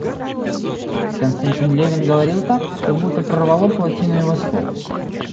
Константин Левин говорил так, как будто прорвало плотину его слов.